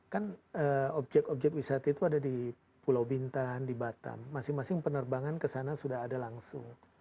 kan objek objek wisata itu ada di pulau bintan di batam masing masing penerbangan kesana sudah ada langsung